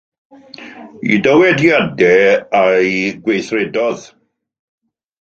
Eu dywediadau a'u gweithredoedd.